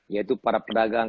yaitu para pedagang